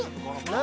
何？